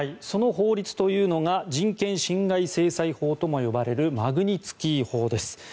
その法律というのが人権侵害制裁法ともいわれるマグニツキー法です。